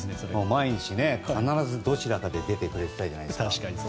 毎日、必ずどちらかで出てくれていたじゃないですか。